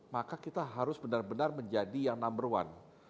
maka kita harus benar benar menjadi yang number one